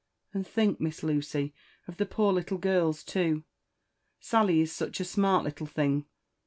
And think. Miss Lucy, of the poor little girls too I— Sally is such a smart little thing